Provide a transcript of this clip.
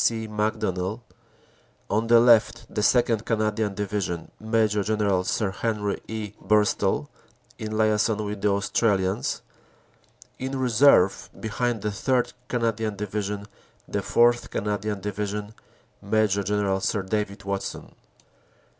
C. Macdonell; on the left, the 2nd. Canadian Division, Major General Sir Henry E. Burstall, in liason with the Australians ; in reserve, behind the 3rd. Canadian Division, the 4th. Canadian Division, Major General Sir David Watson.